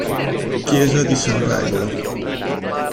Chiesa di San Regolo